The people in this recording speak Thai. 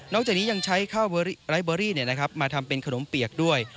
จากนี้ยังใช้ข้าวไรเบอรี่มาทำเป็นขนมเปียกด้วย